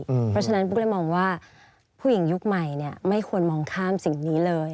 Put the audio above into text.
เพราะฉะนั้นปุ๊กก็เลยมองว่าผู้หญิงยุคใหม่ไม่ควรมองข้ามสิ่งนี้เลย